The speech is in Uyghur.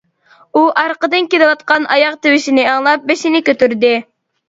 ئۇ ئارقىدىن كېلىۋاتقان ئاياغ تىۋىشىنى ئاڭلاپ بېشىنى كۆتۈردى.